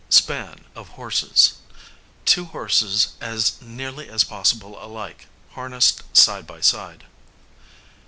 Span of horses, two horses as nearly as possible alike, harnessed side by side.